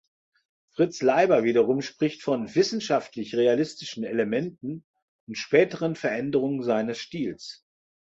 Fritz Leiber wiederum spricht von „wissenschaftlich-realistischen“ Elementen und späteren Veränderungen seines Stils.